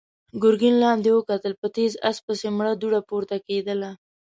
ګرګين لاندې وکتل، په تېز آس پسې مړه دوړه پورته کېدله.